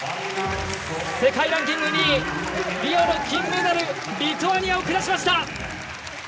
世界ランキング２位リオの金メダルリトアニアを下しました！